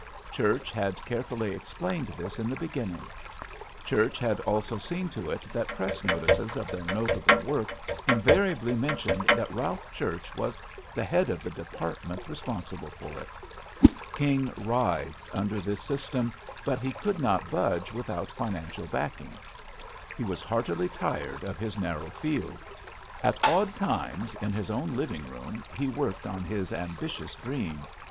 Church had carefully explained this in the beginning. Church had also seen to it that press notices of their notable work invariably mentioned that Ralph Church was the head of the department responsible for it. King writhed under this system, but he could 5^ JUST SWEETHEARTS not budge without financial backing. He was heartily tired of his narrow field. At odd times, in his own living room, he worked on his ambitious dream.